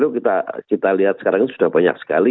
kita lihat sekarang ini sudah banyak sekali